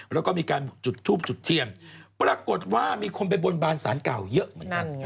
แล้วก็มีการจุดทูบจุดเทียมปรากฏว่ามีคนไปบนบานสารเก่าเยอะเหมือนกัน